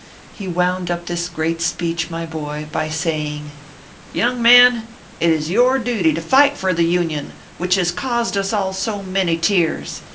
He wound up this great speech, my boy, by saying :" Young men, it is your duty to fight for the Union, which has caused us all so many tears.